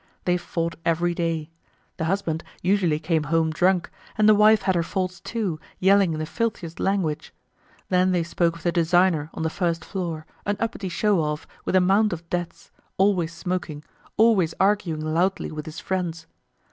They fought every day. The husband usually came home drunk and the wife had her faults too, yelling in the filthiest language. Then they spoke of the designer on the first floor, an uppity show off with a mound of debts, always smoking, always arguing loudly with his friends.